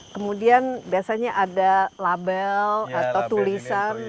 kemudian biasanya ada label atau tulisan